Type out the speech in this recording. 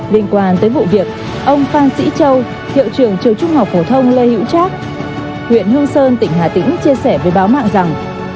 liên quan tới vụ việc ông phan sĩ châu hiệu trường trường trung học phổ thông lê hữu trác huyện hương sơn tỉnh hà tĩnh chia sẻ với báo mạng rằng